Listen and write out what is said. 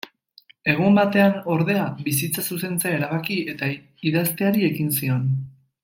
Egun batean, ordea, bizitza zuzentzea erabaki, eta idazteari ekin zion.